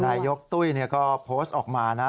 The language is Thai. นายกตุ้ยก็โพสต์ออกมานะ